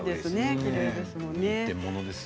きれいですよね。